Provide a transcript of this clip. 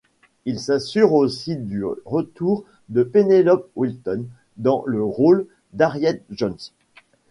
Il s'assure aussi du retour de Penelope Wilton dans le rôle d'Harriet Jones.